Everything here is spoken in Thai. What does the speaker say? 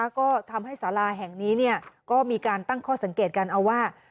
ก็ทำให้สาราแห่งนี้ก็มีการตั้งข้อสังเกตกันเอาว่า